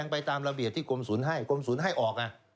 ไปตามระเบียบที่กรมศุลให้กรมศุลให้ออกอ่ะ